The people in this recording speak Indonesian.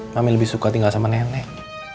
kami lebih suka tinggal sama nenek